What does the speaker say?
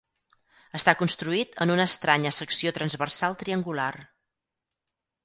Està construït en una estranya secció transversal triangular.